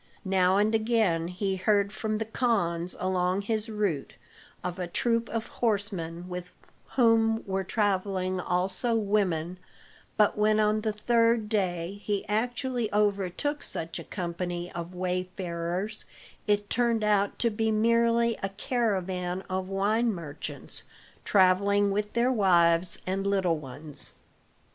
Now and again he heard from the khans along his route, of a troop of horsemen with whom were traveling also women, but when on the third day he actually overtook such a company of wayfarers it turned out to be merely a caravan of wine merchants, traveling with their wives and little ones.